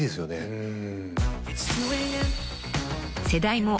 うん。